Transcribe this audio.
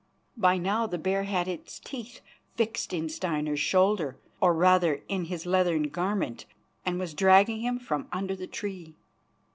By now the bear had its teeth fixed in Steinar's shoulder, or, rather, in his leathern garment, and was dragging him from under the tree.